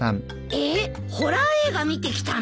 えっホラー映画見てきたの？